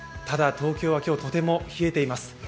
ただ、東京は今日とても冷えています。